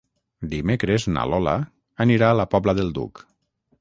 Dimecres na Lola anirà a la Pobla del Duc.